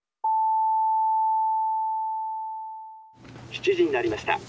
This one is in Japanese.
「７時になりました。